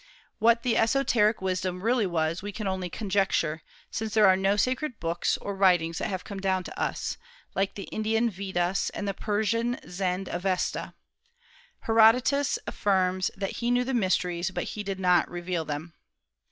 What the esoteric wisdom really was we can only conjecture, since there are no sacred books or writings that have come down to us, like the Indian Vedas and the Persian Zend Avesta. Herodotus affirms that he knew the mysteries, but he did not reveal them.